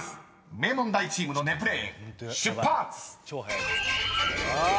名門大チームのネプレール出発！］